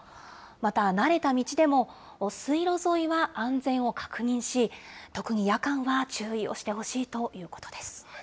また慣れた道でも、水路沿いは安全を確認し、特に夜間は注意をしてほしいということです。